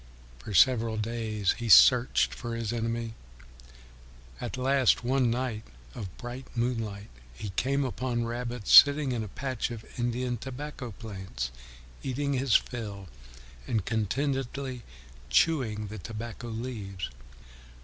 For several days he searched for his enemy. At last, one night of bright moonlight, he came upon Rabbit sitting in a patch of Indian tobacco plants, eating his fill and contentedly chewing the tobacco leaves.